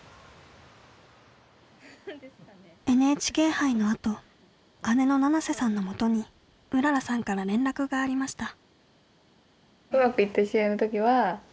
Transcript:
ＮＨＫ杯のあと姉の七瀬さんのもとにうららさんから連絡がありました。